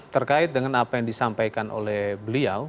terkait dengan apa yang disampaikan oleh beliau